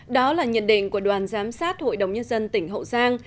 đó là nhận định của đoàn giám sát hội đồng nhân dân tỉnh hậu giang